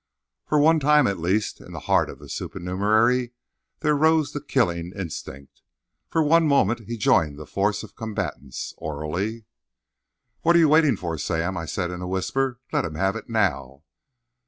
For one time, at least, in the heart of the supernumerary there rose the killing instinct. For one moment he joined the force of combatants—orally. "What are you waiting for, Sam?" I said in a whisper. "Let him have it now!"